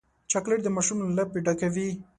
چاکلېټ د ماشوم لپې ډکوي.